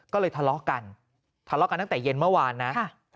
ก็เลยทะเลาะกันทะเลาะกันตั้งแต่เย็นเมื่อวานนะ